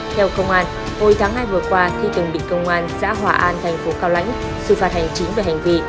theo công an hồi tháng hai vừa qua khi từng bị công an xã hòa an thành phố cao lãnh sự phạt hành chính về hành vi